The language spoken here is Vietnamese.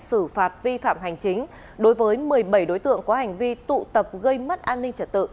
xử phạt vi phạm hành chính đối với một mươi bảy đối tượng có hành vi tụ tập gây mất an ninh trật tự